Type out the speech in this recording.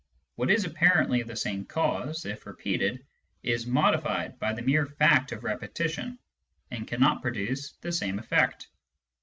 What is apparently the same cause, if repeated, is modified by the mere fact of repetition, and cannot produce the same eflFect.